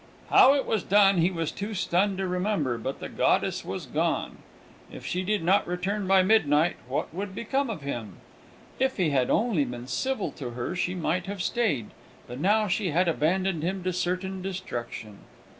How it was done he was too stunned to remember; but the goddess was gone. If she did not return by midnight, what would become of him? If he had only been civil to her, she might have stayed; but now she had abandoned him to certain destruction!